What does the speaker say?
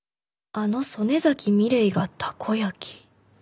あの曽根崎ミレイがたこ焼き。